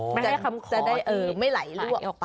ไม่ให้คำขออีกไม่ไหลล่วง